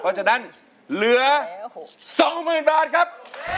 เพราะฉะนั้นเหลือ๒๐๐๐บาทครับ